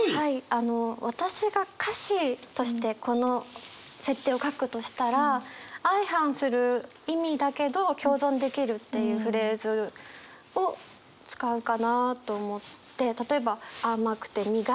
あの私が歌詞としてこの設定を書くとしたら相反する意味だけど共存できるっていうフレーズを使うかなと思って。